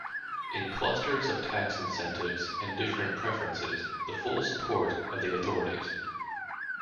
In clusters of tax incentives and different preferences, the full support of the authorities.